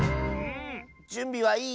じゅんびはいい？